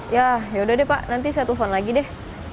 ya yaudah deh pak nanti saya telepon lagi deh